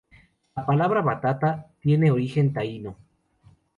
La palabra "batata" tiene origen taíno.